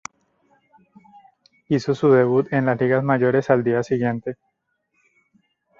Hizo su debut en las ligas mayores al día siguiente.